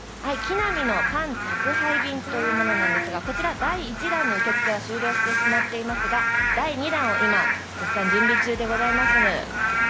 キナミのパン宅配便というものですが、第１弾の受け付けは終了してしまっていますが、第２弾を今、絶賛準備中でございます。